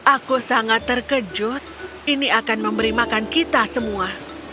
aku sangat terkejut ini akan memberi makan kita semua